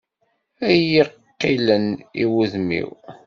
Ad yi-qilen, i wudem-im.